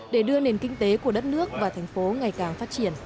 để đưa nền kinh tế của đất nước và thành phố ngày càng phát triển